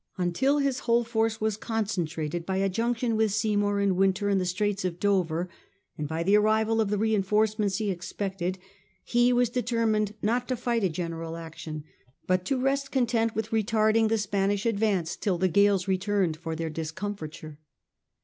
Until his whole force was concentrated by a junction with Seymour and Wynter in the Straits of Dover, and by the arrival of the reinforcements he expected, he was determined not to fight a general action, but to rest content with retarding the Spanish advance till the gales returned for their discomfiture.